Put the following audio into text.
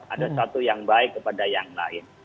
ada satu yang baik kepada yang lain